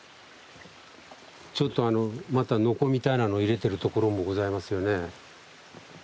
ちょっとまたノコみたいなの入れてるところもございますよね。